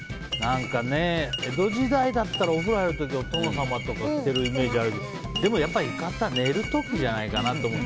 江戸時代だったらお風呂入る時にお殿様とかが着ているイメージがあるけどでもやっぱり浴衣は寝る時じゃないかな。